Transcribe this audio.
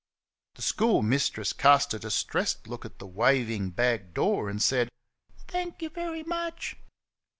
The schoolmistress cast a distressed look at the waving bag door and said: "Th h ank you very much."